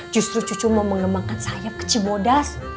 justru cucu mau mengembangkan sayap ke cibodas